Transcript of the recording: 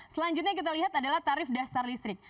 selanjutnya kita lihat adalah tarif dasar listrik